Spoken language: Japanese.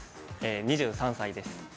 ２３歳です。